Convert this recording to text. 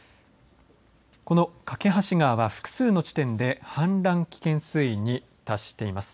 この梯川は複数の地点で氾濫危険水位に達しています。